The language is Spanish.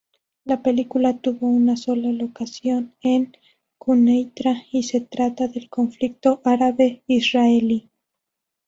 La película tuvo una sola locación en Quneitra, y se trata del conflicto árabe-israelí.